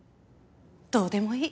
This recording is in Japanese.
どうでもいい。